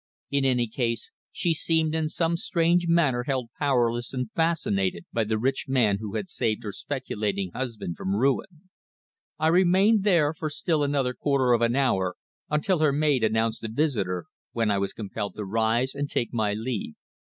In any case, she seemed in some strange manner held powerless and fascinated by the rich man who had saved her speculating husband from ruin. I remained there for still another quarter of an hour until her maid announced a visitor, when I was compelled to rise and take my leave.